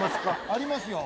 ありますよ。